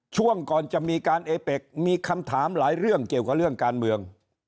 ช่วงก่อนจะมีการเอเป็กมีคำถามหลายเรื่องเกี่ยวกับเรื่องการเมือง